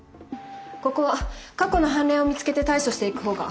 ここは過去の判例を見つけて対処していく方が。